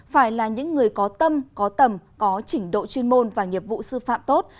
phải là những người có tâm có tầm có chỉnh độ chuyên môn và nghiệp vụ sư phạm tốt